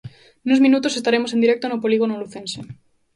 Nuns minutos estaremos en directo no polígono lucense.